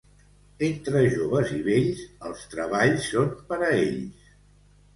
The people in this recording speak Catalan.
Entre joves i vells, els treballs són per a ells.